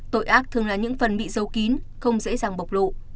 tội ác thường là những phần bị dấu kín không dễ dàng bộc lộ